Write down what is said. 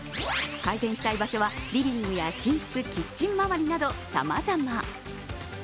改善したい場所はリビングや寝室キッチン回りなど、さまざま。